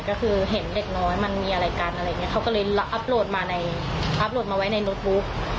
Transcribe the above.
ก็คือเห็นเด็กน้อยมันมีอะไรกันอะไรอย่างนี้เขาก็เลยอัพโหลดมาในอัพโหลดมาไว้ในโน้ตบุ๊ก